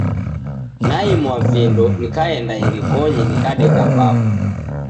Naimwa vindo, nikaenda irikonyi nikadeka vapo.